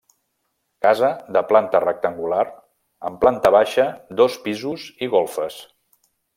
Casa, de planta rectangular, amb planta baixa, dos pisos i golfes.